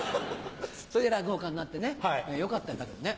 それで落語家になってねよかったよだけどね。